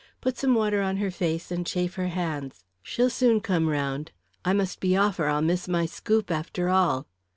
"Put some water on her face and chafe her hands. She'll soon come around. I must be off, or I'll miss my scoop, after all."